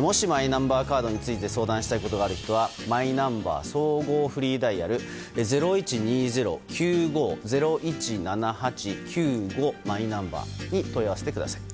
もしマイナンバーカードについて相談したいことがある人はマイナンバー総合フリーダイヤル救護、マイナンバーに問い合わせてください。